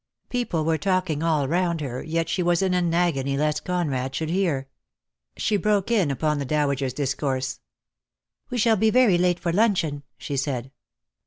People were talking all round her, yet she was 238 DEAD LOVE HAS CHAINS. in an agony lest Conrad should hear. She broke in upon the dowager's discourse. "We shall be very late for luncheon," she said.